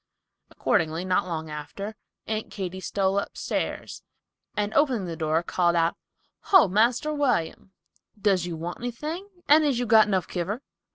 Accordingly, not long after, Aunt Katy stole upstairs and opening the door called out, "Ho, Marster William, does you want anything, and is you got enough kiver?"